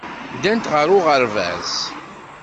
Ddant ɣer uɣerbaz.